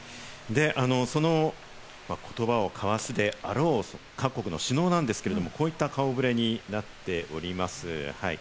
その言葉を交わすであろう各国の首脳なんですけれども、こういった顔触れになっております。